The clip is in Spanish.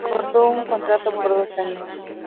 Acordó un contrato por dos años.